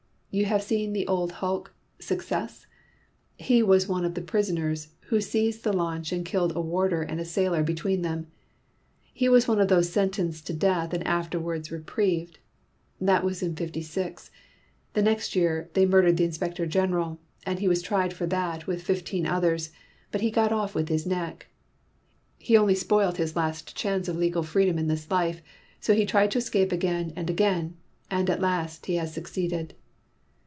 You have seen the old hulk Success? He was one of the prisoners who seized the launch and killed a warder and a sailor between them; he was one of those sentenced to death and afterwards reprieved. That was in '56; the next year they murdered the Inspector General; and he was tried for that with fifteen others, but he got off with his neck. He only spoilt his last chance of legal freedom in this life; so he tried to escape again and again; and at last he has succeeded!"